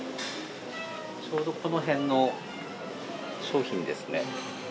ちょうどこの辺の商品ですね。